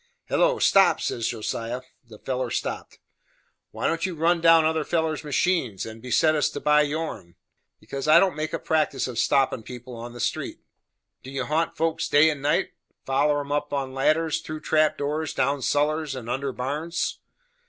"Hello! stop!" says Josiah. The feller stopped. "Why don't you run down other fellers' machines, and beset us to buy yourn?" "Because I don't make a practice of stoppin' people on the street." "Do you haunt folks day and night; foller 'em up ladders, through trap doors, down sullers, and under barns?"